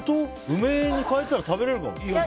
梅に変えたら食べられるかもよ。